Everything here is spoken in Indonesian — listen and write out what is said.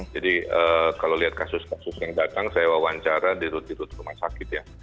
jadi kalau lihat kasus kasus yang datang saya wawancara di rute rute rumah sakit ya